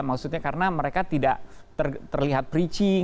maksudnya karena mereka tidak terlihat preaching